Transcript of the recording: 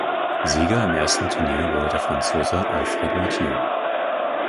Sieger im ersten Turnier wurde der Franzose Alfred Mortier.